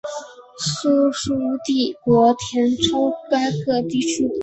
苏苏帝国填补个该地区的空洞。